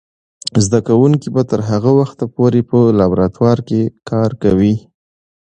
زده کوونکې به تر هغه وخته پورې په لابراتوار کې کار کوي.